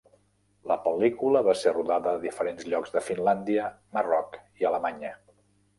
La pel·lícula va ser rodada a diferents llocs de Finlàndia, Marroc i Alemanya.